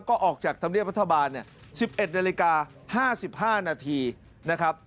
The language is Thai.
ก็ออกจากธรรมเนียบรัฐบาล๑๑นาฬิกา๕๕นาทีนะครับ